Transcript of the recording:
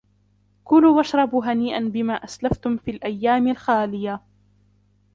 كُلُوا وَاشْرَبُوا هَنِيئًا بِمَا أَسْلَفْتُمْ فِي الأَيَّامِ الْخَالِيَةِ